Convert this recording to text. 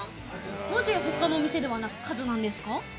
なぜ他のお店ではなく、「和」なんですか？